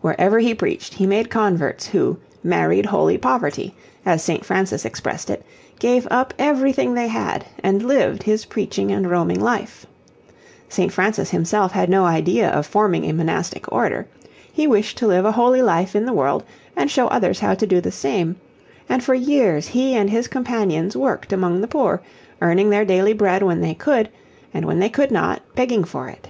Wherever he preached he made converts who 'married Holy Poverty,' as St. Francis expressed it, gave up everything they had, and lived his preaching and roaming life. St. Francis himself had no idea of forming a monastic order. He wished to live a holy life in the world and show others how to do the same, and for years he and his companions worked among the poor, earning their daily bread when they could, and when they could not, begging for it.